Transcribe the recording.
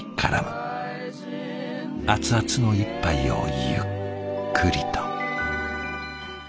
熱々の一杯をゆっくりと。